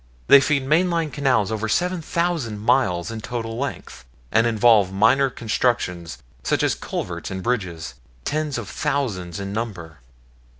They feed main line canals over seven thousand miles in total length, and involve minor constructions, such as culverts and bridges, tens of thousands in number.